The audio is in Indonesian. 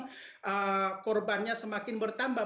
jadi korbannya semakin bertambah